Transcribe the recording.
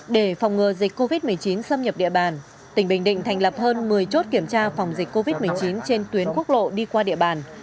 để phòng ngừa dịch covid một mươi chín xâm nhập địa bàn tỉnh bình định thành lập hơn một mươi chốt kiểm tra phòng dịch covid một mươi chín trên tuyến quốc lộ đi qua địa bàn